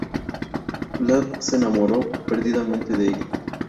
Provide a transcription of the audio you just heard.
Vlad se enamoró perdidamente de ella.